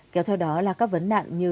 kéo theo đó là các vấn đạn như